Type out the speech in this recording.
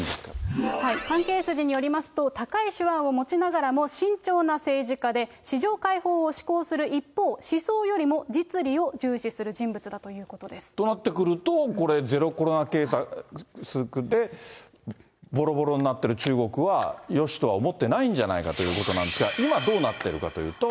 関係筋によりますと、高い手腕を持ちながらも、慎重な政治家で、市場開放を志向する一方、思想よりも実利を重視する人物だというとなってくると、これ、ゼロコロナ政策でぼろぼろになってる中国は、よしとは思っていないんじゃないかということなんですが、今、どうなってるかというと。